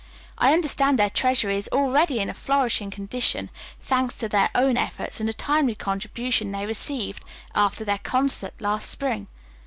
I understand their treasury is already in a flourishing condition, thanks to their own efforts and a timely contribution they received after their concert last spring.